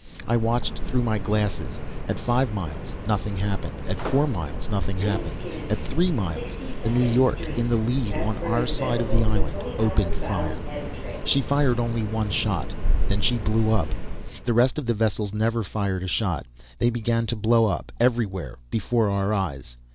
I watched through my glasses. At five miles nothing happened; at four miles nothing happened; at three miles, the New York, in the lead on our side of the island, opened fire. She fired only one shot. Then she blew up. The rest of the vessels never fired a shot. They began to blow up, everywhere, before our eyes.